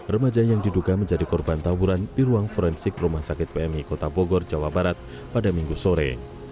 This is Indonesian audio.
remaja yang diduga menjadi korban tawuran di ruang forensik rumah sakit pmi kota bogor jawa barat pada minggu sore